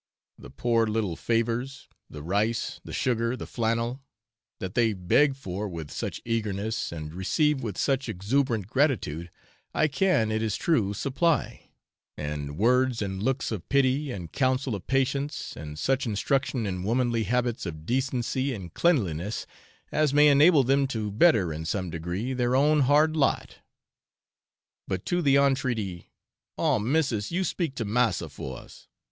The poor little favours the rice, the sugar, the flannel that they beg for with such eagerness, and receive with such exuberant gratitude, I can, it is true, supply, and words and looks of pity and counsel of patience and such instruction in womanly habits of decency and cleanliness, as may enable them to better, in some degree, their own hard lot; but to the entreaty, 'Oh missis, you speak to massa for us!